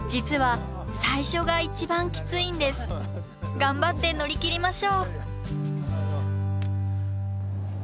頑張って乗り切りましょう。